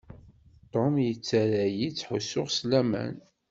Tom yettarra-yi ttḥussuɣ s laman.